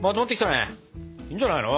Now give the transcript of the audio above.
いいんじゃないの？